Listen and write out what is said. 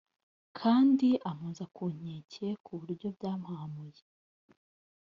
kandi ampoza ku nkeke ku buryo byampahamuye